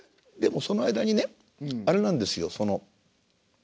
でもその間にねあれなんですよ